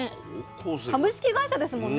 株式会社ですもんね。